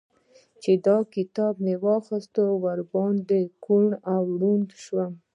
چې دا کتاب مې اخيست؛ ور باندې کوڼ او ړونډ شوم.